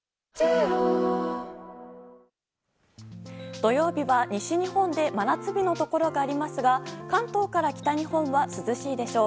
土曜日は西日本で真夏日のところがありますが関東から北日本は涼しいでしょう。